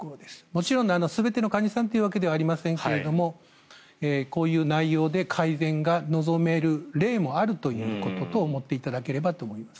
もちろん全ての患者さんというわけではありませんがこういう内容で改善が望める例もあるということと思っていただければと思います。